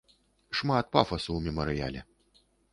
Шмат пафасу ў мемарыяле.